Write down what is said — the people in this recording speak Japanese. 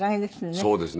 そうですね。